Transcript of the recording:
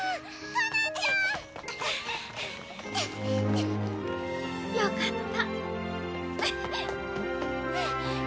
果南ちゃん！よかった。